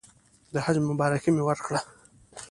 د حج مبارکي مې ورکړه.